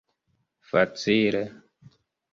facile